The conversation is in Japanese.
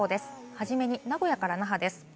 はじめに名古屋から那覇です。